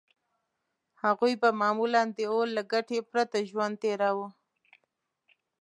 هغوی به معمولاً د اور له ګټې پرته ژوند تېراوه.